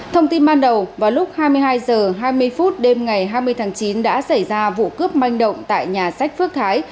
thông tin ban đầu vào lúc hai mươi hai h hai mươi phút đêm ngày hai mươi tháng chín đã xảy ra vụ cướp manh động tại nhà sách phước thái